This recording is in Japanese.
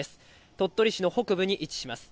鳥取市の北部に位置します。